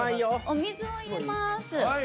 お水を入れます。